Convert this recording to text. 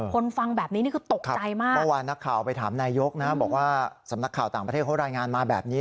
ฟังแบบนี้นี่คือตกใจมากเมื่อวานนักข่าวไปถามนายกนะบอกว่าสำนักข่าวต่างประเทศเขารายงานมาแบบนี้